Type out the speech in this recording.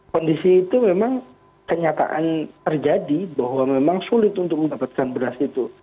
kondisi itu memang kenyataan terjadi bahwa memang sulit untuk mendapatkan beras itu